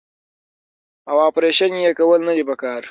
او اپرېشن ئې کول نۀ دي پکار -